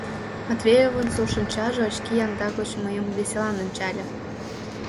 Матвеевын сур шинчаже очки янда гоч мыйым веселан ончале.